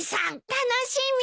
楽しみ！